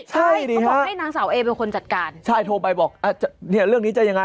ใช่เขาบอกให้นางสาวเอเป็นคนจัดการใช่โทรไปบอกอ่ะเนี่ยเรื่องนี้จะยังไง